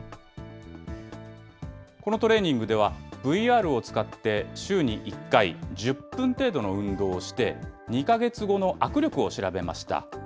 このトレーニングでは、ＶＲを使って週に１回、１０分程度の運動をして、２か月後の握力を調べました。